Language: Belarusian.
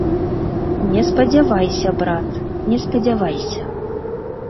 Не спадзявайся, брат, не спадзявайся.